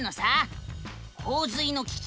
「洪水の危機！